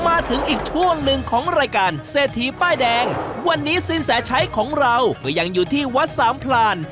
มาถึงอีกช่วงหนึ่งของรายการเศรษฐีป้ายแดงวันนี้สินแสชัยของเราก็ยังอยู่ที่วัดสามพลาน